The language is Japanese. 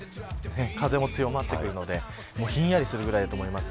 風も強まってくるのでひんやりするくらいだと思います。